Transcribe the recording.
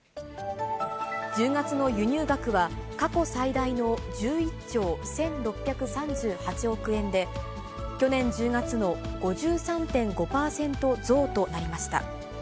１０月の輸入額は、過去最大の１１兆１６３８億円で、去年１０月の５３．５％増となりました。